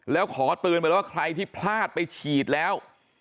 แล้วขอเตือนไปเลยว่าใครที่พลาดไปฉีดแล้ว